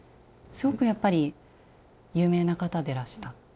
すごくやっぱり有名な方でらした。